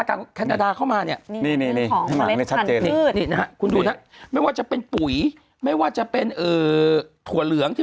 คืออนุสัญญาการคุ้มครองพันธุ์พืชใหม่